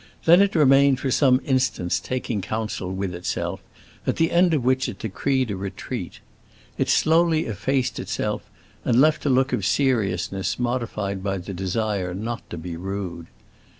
Then it remained for some instants taking counsel with itself, at the end of which it decreed a retreat. It slowly effaced itself and left a look of seriousness modified by the desire not to be rude.